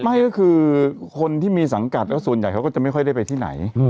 ไม่ก็คือคนที่มีสังกัดแล้วส่วนใหญ่เขาก็จะไม่ค่อยได้ไปที่ไหน